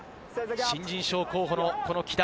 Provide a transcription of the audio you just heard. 新人賞候補のこの木田。